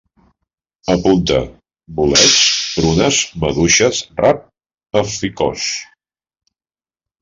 Apunta: bolets, prunes, maduixes, rap, alficòs